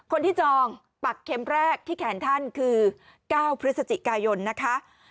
จองปักเข็มแรกที่แขนท่านคือ๙พฤศจิกายนนะคะ